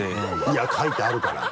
いや書いてあるから。